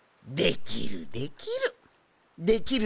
できるできる！